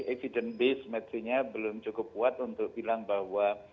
evidence based metrinya belum cukup kuat untuk bilang bahwa